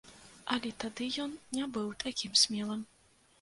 Але тады ён не быў такім смелым.